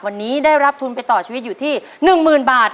วันนี้ได้รับทุนไปต่อชีวิตอยู่ที่๑๐๐๐บาท